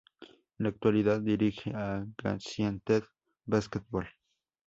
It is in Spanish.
En la actualidad, dirige a Gaziantep Basketbol.